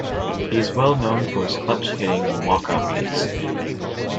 He was well known for his clutch hitting and walkoff hits.